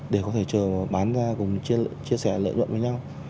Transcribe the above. để có thể chờ bán ra cùng chia sẻ lợi nhuận với nhau